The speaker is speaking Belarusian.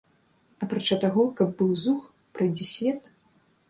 Апрача таго, каб быў зух, прайдзісвет?